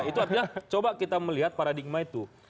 itu artinya coba kita melihat paradigma itu